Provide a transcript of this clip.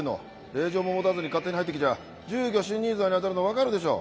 令状も持たずに勝手に入ってきちゃ住居侵入罪にあたるの分かるでしょ。